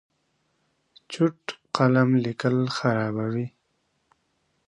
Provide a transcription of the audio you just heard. چوټ قلم لیکل خرابوي.